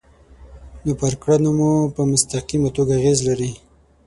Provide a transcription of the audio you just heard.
نو پر کړنو مو په مستقیمه توګه اغیز لري.